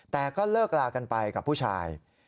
แต่ก็เลิกลากันไปกับผู้ชาย